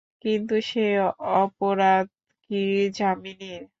কিন্তু সে অপরাধ কি যামিনীর?